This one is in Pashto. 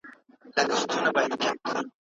انلاين زده کړه د سبق تکرار آسانه کوي.